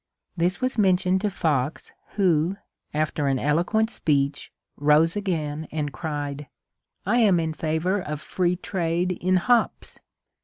This was mentioned to Fox who, after an eloquent speech, rose again and cried, ^^ I am in favour of free trade in hops